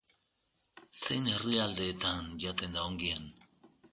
Zein herrialdeetan jaten da ongien?